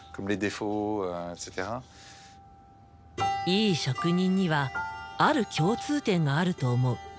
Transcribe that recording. いい職人にはある共通点があると思う。